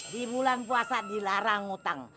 di bulan puasa dilarang utang